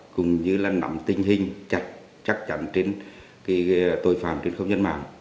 cũng như là nắm tinh hình chặt chặt chắn trên tuệ phạm trên không nhân mạng